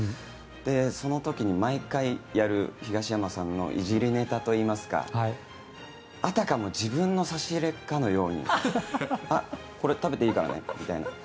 その時に毎回やる東山さんのいじりネタといいますかあたかも自分の差し入れかのようにあっ、これ、食べていいからねみたいな。